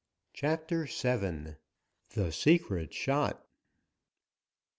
CHAPTER VII. THE SECRET SHOT.